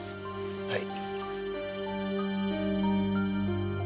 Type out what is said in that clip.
はい。